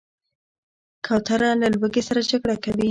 کوتره له لوږې سره جګړه کوي.